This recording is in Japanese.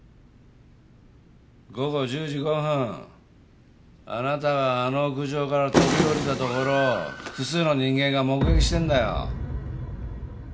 午後１０時５分あなたがあの屋上から飛び降りたところを複数の人間が目撃してんだよ。